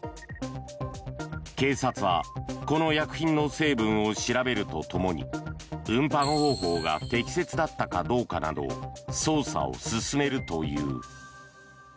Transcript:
警察はこの薬品の成分を調べるとともに運搬方法が適切だったかどうかなど捜査を進めるという。